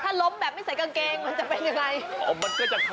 ถ้าล้มแบบไม่ใส่กางเกงมันจะเป็นยังไง